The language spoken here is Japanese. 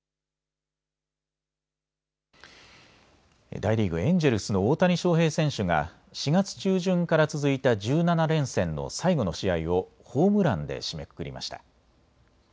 大リーグ、エンジェルスの大谷翔平選手が４月中旬から続いた１７連戦の最後の試合をホームランで締めくくりました。